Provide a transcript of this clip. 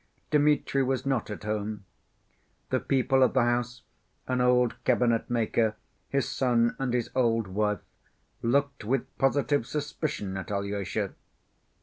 Dmitri was not at home. The people of the house, an old cabinet‐maker, his son, and his old wife, looked with positive suspicion at Alyosha.